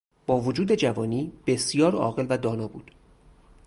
با وجود جوانی بسیار عاقل و دانا بود.